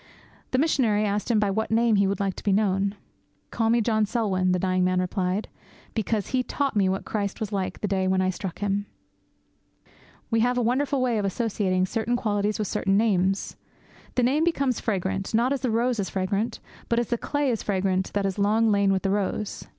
The missionary asked him by what name he would like to be known. 'Call me John Selwyn,' the dying man replied, 'because he taught me what Christ was like that day when I struck him.' We have a wonderful way of associating certain qualities with certain names. The name becomes fragrant, not as the rose is fragrant, but as the clay is fragrant that has long lain with the rose.